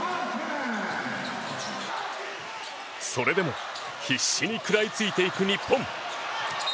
それでも必死に食らいついていく日本。